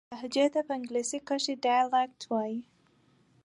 لهجې ته په انګلیسي کښي Dialect وایي.